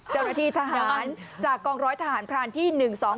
เจ้าหน้าที่ทหารจากกองร้อยทหารพรานที่๑๒๒